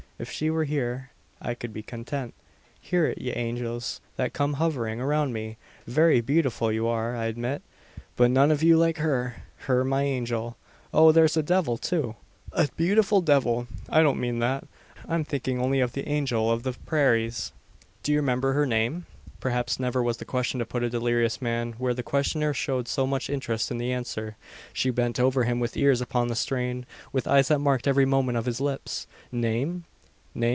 If she were here, I could be content. Hear it, ye angels, that come hovering around me! Very beautiful, you are, I admit; but none of you like her her my angel. Oh! there's a devil, too; a beautiful devil I don't mean that. I'm thinking only of the angel of the prairies." "Do you remember her name?" Perhaps never was question put to a delirious man, where the questioner showed so much interest in the answer. She bent over him with ears upon the strain with eyes that marked every movement of his lips. "Name? name?